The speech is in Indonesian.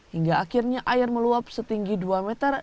hingga akhirnya air meluap setinggi dua meter